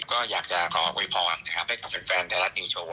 ก็อยากจะขอคุยพร้อมนะครับให้เมื่อเต็มแฟนให้แรกโทร